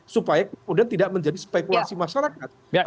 supaya kemudian tidak menjadi spekulasi masyarakat